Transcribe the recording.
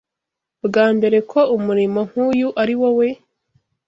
bwambere ko umurimo nkuyu ariwowe